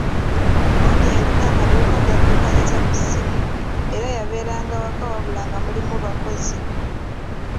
Mami yalina amaduuka g'addukanyiza ku ssimu era yabeeranga waka wabula nga mulimu bakozi.